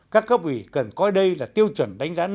các cấp ủy cần coi đây là tiêu chuẩn đánh giá năng